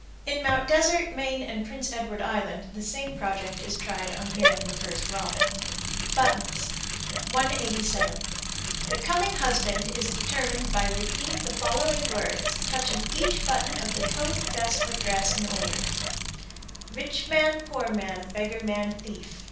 _ In Mt. Desert, Maine, and Prince Edward Island the same project is tried on hearing the first robin. BUTTONS. 187. The coming husband is determined by repeating the following words, touching each button of the coat, vest, or dress in order: Rich man, poor man, beggar man, thief.